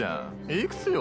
いくつよ？